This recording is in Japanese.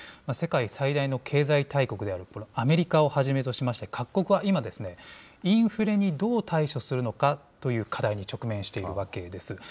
世界最大の経済大国であるこのアメリカをはじめとしまして、各国は今、インフレにどう対処するのかという課題に直面しているわけです。